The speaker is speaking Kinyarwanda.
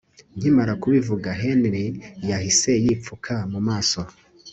nkimara kubivuga Henry yahise yipfuka mu maso